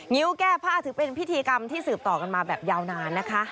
ิ้วแก้ผ้าถือเป็นพิธีกรรมที่สืบต่อกันมาแบบยาวนานนะคะ